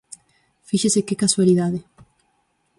¡Fíxese que casualidade!